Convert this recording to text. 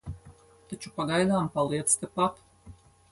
Taču pagaidām paliec tepat.